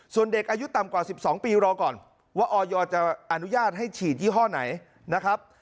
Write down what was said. ส่วนเด็กอายุต่ำกว่า๑๒ปีรอก่อนว่าออยจะอนุญาตให้ฉีดยี่ห้อไหนนะครับ